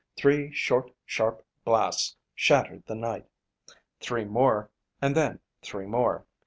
Three short, sharp blasts shattered the night. Three more and then three more.